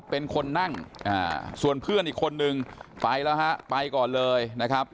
เป็นคนนั่งส่วนเพื่อนอีกคนนึงไปแล้วฮะไปก่อนเลยนะครับ